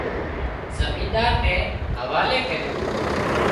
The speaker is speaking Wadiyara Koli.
زميندار نين حوالي ڪريو